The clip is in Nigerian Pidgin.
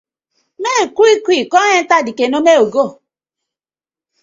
Mek yu quick quick kom enter dey canoe mek we go.